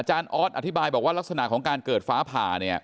อาร์ดอธิบายบอกว่ารักษณะของเกิดฟ้าผ่า